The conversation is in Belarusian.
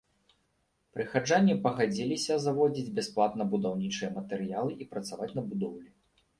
Прыхаджане пагадзіліся завозіць бясплатна будаўнічыя матэрыялы і працаваць на будоўлі.